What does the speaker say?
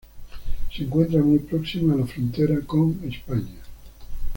Se encuentra muy próxima a la frontera con España